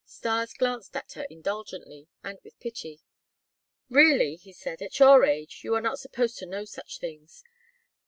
Stas glanced at her indulgently and with pity. "Really," he said, "at your age, you are not supposed to know such things.